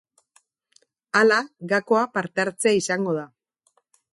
Hala, gakoa partehartzea izango da.